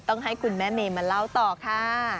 ต้องให้คุณแม่เมมาเล่าต่อค่ะ